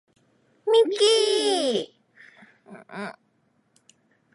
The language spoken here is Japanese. ミッキー